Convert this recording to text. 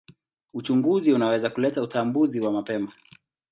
Uchunguzi unaweza kuleta utambuzi wa mapema.